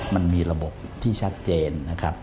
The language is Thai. มันมีระบบที่ชัดเจนนะครับ